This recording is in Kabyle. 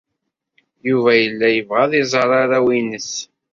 Yuba yella yebɣa ad iẓer arraw-nnes.